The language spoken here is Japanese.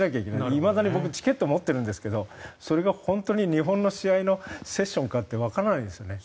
いまだに僕チケット持ってるんですけどそれが本当に日本の試合のセッションかってわからないんですよね。